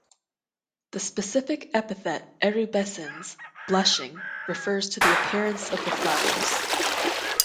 The specific epithet "erubescens" (‘blushing’) refers to the appearance of the flowers.